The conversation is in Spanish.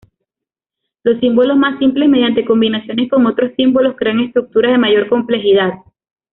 Los símbolos más simples, mediante combinaciones con otros símbolos, crean estructuras de mayor complejidad.